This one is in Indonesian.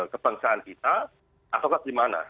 kebangsaan kita atau bagaimana